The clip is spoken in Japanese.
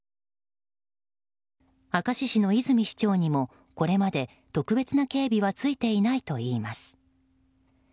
明石市の泉市長にもこれまで特別な警備はついていないといいます。